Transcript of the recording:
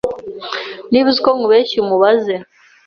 niba uziko nkubehsya umubaze